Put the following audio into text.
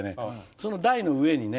その台の上にね